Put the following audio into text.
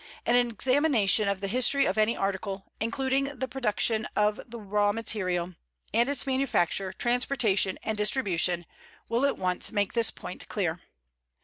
An examination of the history of any article, including the production of the raw material, and its manufacture, transportation, and distribution, will at once make this point clear.